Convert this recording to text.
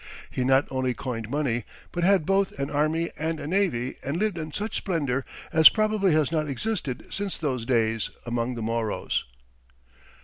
He not only coined money but had both an army and a navy, and lived in such splendour as probably has not existed since those days, among the Moros.